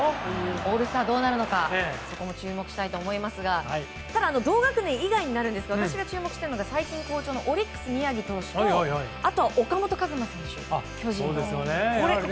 オールスターどうなるのか注目したいと思いますがただ、同学年以外になるんですが私が注目しているのが最近好調のオリックス宮城投手と岡本和真選手、巨人の。